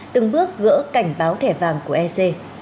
từng bước gỡ cảnh báo thẻ vàng của ec